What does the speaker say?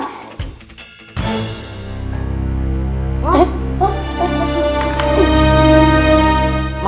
aduh cantik banget